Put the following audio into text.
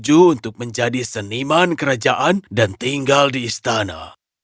maju untuk menjadi seniman kerajaan dan tinggal di istana